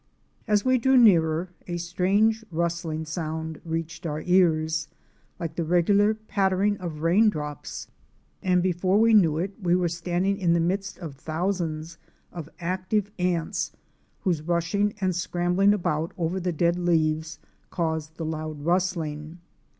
As we drew nearer, a strange rustling sound reached our ears, like the regular pattering of raindrops, and before we knew it we were standing in the midst of thousands of active ants, whose rushing and scrambling about over the dead leaves caused the loud rustling.